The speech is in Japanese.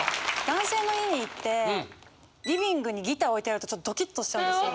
男性の家に行ってリビングにギター置いてあるとドキッとしちゃうんですよ。